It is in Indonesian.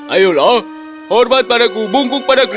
ayolah hormat padaku bungkuk padaku